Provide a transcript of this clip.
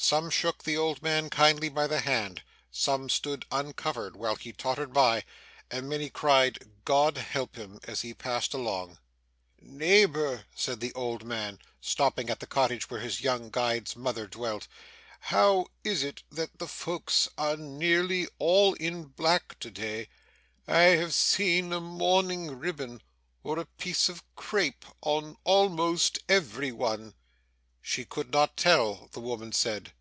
Some shook the old man kindly by the hand, some stood uncovered while he tottered by, and many cried 'God help him!' as he passed along. 'Neighbour!' said the old man, stopping at the cottage where his young guide's mother dwelt, 'how is it that the folks are nearly all in black to day? I have seen a mourning ribbon or a piece of crape on almost every one.' She could not tell, the woman said.